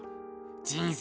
人生